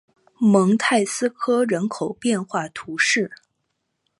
蒙泰斯科人口变化图示